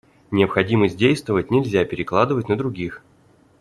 Необходимость действовать нельзя перекладывать на других.